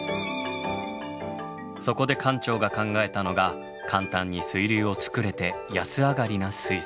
そこで館長が考えたのが簡単に水流を作れて安上がりな水槽。